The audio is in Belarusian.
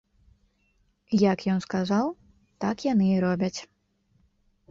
Як ён сказаў, так яны і робяць.